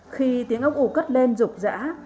khi tiếng ốc u cất lên rục rã